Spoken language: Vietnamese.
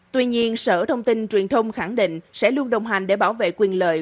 tuy nhiên sở thông tin truyền thông khẳng định sẽ luôn đồng hành để bảo vệ quyền lợi